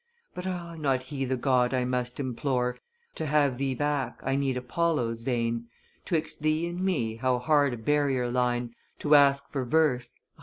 But ah! not he the god I must implore; To have thee back, I need Apollo's vein. .. 'Twixt thee and me how hard a barrier line, To ask for verse!